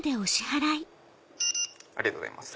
ありがとうございます。